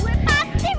gue pasti menang